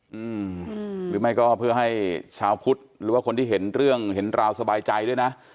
หรือไม่ก็เพื่อให้ชาวพุทธหรือว่าคนที่เห็นเรื่องเห็นราวสบายใจด้วยนะ